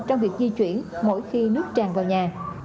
trong việc di chuyển mỗi khi nước tràn vào nhà